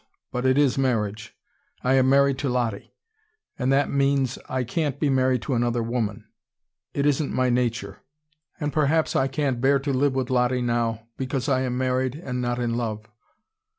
But it is marriage. I am married to Lottie. And that means I can't be married to another woman. It isn't my nature. And perhaps I can't bear to live with Lottie now, because I am married and not in love.